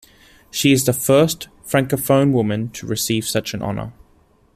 She is the first Francophone woman to receive such an honour.